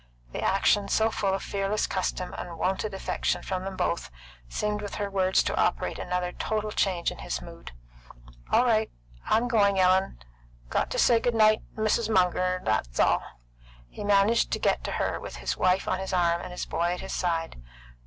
The action, so full of fearless custom and wonted affection from them both, seemed with her words to operate another total change in his mood. "All right; I'm going, Ellen. Got to say good night Mrs. Munger, that's all." He managed to get to her, with his wife on his arm and his boy at his side.